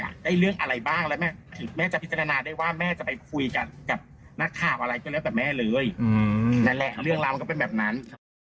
นั่นแหละเรื่องราวมันก็เป็นแบบนั้น